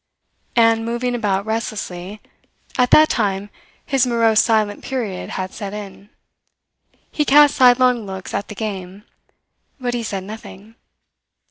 And, moving about restlessly (at that time his morose silent period had set in), he cast sidelong looks at the game; but he said nothing.